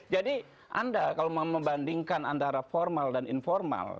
jadi anda kalau membandingkan antara formal dan informal